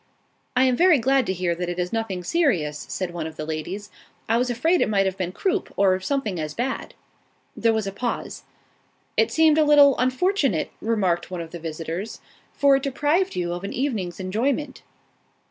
"I am very glad to hear that it is nothing serious," said one of the ladies. "I was afraid it might have been croup, or something as bad." There was a pause. "It seemed a little unfortunate," remarked one of the visitors, "for it deprived you of an evening's enjoyment."